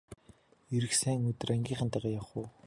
Ирэх сайн өдөр ангийнхантайгаа явах уу!